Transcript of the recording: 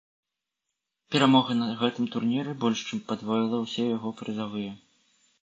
Перамога на гэтым турніры больш чым падвоіла ўсе яго прызавыя.